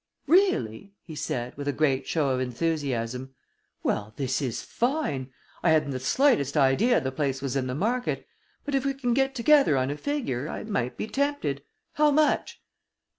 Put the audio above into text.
"Really?" he said, with a great show of enthusiasm. "Well, this is fine. I hadn't the slightest idea the place was in the market, but if we can get together on a figure, I might be tempted. How much?"